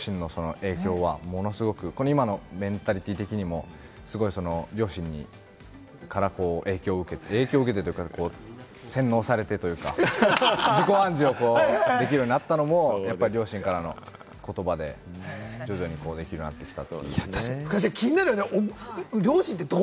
何度もいろんなところで言わせてもらってますけれども、両親の影響はものすごく、今のメンタリティー的にも両親から影響を受けてというか、洗脳されてというか、自己暗示をできるようになったのも両親からの言葉で徐々にできるようになってきた。